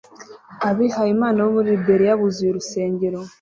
Abihayimana bo muri liberiya buzuye urusengero